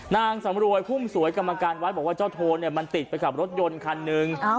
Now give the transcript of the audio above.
นางสำรวยพุ่มสวยกรรมการวัดบอกว่าเจ้าโทนเนี่ยมันติดไปกับรถยนต์คันหนึ่ง